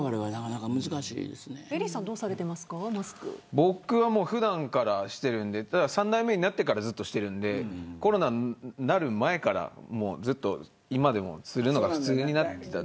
僕は普段からしているので３代目になってからしているのでコロナになる前からずっと今でもするのが普通になってたので。